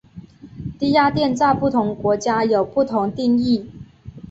低压电在不同国家有不同定义。